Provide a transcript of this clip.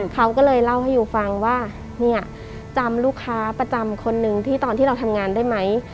เขาก็เลยเล่าให้ยูฟังว่าเนี่ยจำลูกค้าประจำคนนึงที่ตอนที่เราทำงานได้ไหม